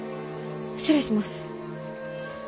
失礼します。